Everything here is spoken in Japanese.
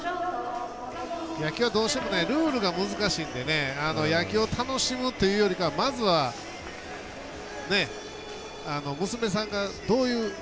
野球はどうしてもルールが難しいので野球を楽しむというよりかはまずは、娘さんがどういう。